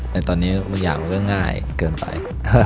แต่ตอนนี้อยากก็ง่ายเกินไป